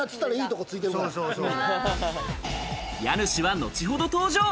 家主は後ほど登場。